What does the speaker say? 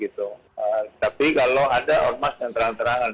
tapi kalau ada ormas yang terang terangan